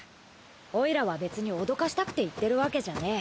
オイラは別におどかしたくて言ってるわけじゃねえ。